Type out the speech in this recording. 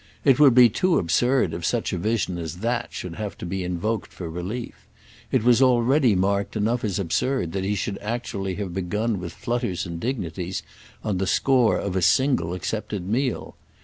It would be too absurd if such a vision as that should have to be invoked for relief; it was already marked enough as absurd that he should actually have begun with flutters and dignities on the score of a single accepted meal.